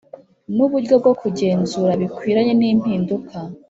N uburyo bwo kugenzura bikwiranye n impinduka